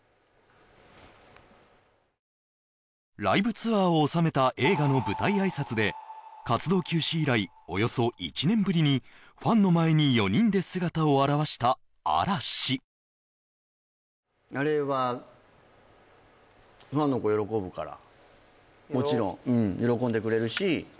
ライブツアーを収めた映画の舞台挨拶で活動休止以来およそ１年ぶりにファンの前に４人で姿を現した嵐あれはもちろん喜んでくれるし